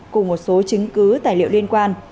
cùng một số chứng cứ tài liệu liên quan